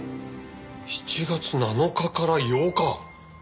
７月７日から８日！